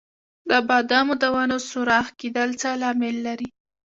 د بادامو د ونو سوراخ کیدل څه لامل لري؟